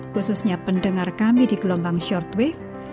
khususnya pendengar kami di gelombang shortway